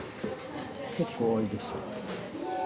結構多いですよ